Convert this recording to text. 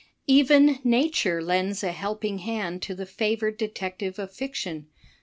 Even Nature lends a helping hand to the favored detective ion.